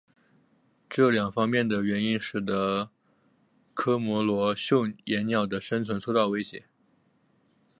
这两方面的原因使得科摩罗绣眼鸟的生存受到威胁。